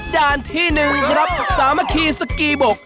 ด้านที่๑ครับสามัคคีสกีบก